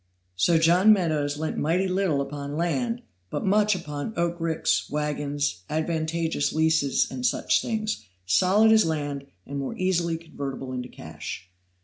So John Meadows lent mighty little upon land, but much upon oat ricks, wagons, advantageous leases and such things, solid as land and more easily convertible into cash.